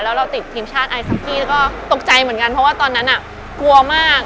แล้วเราติดทีมชาติไอซักกี้แล้วก็ตกใจเหมือนกันเพราะว่าตอนนั้นกลัวมาก